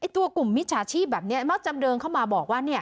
ตัวกลุ่มมิตรชาชีพแบบเนี่ยเมื่อจำเดินเข้ามาบอกว่าเนี่ย